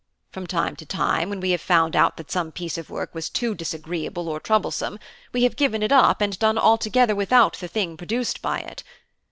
From time to time, when we have found out that some piece of work was too disagreeable or troublesome, we have given it up and done altogether without the thing produced by it.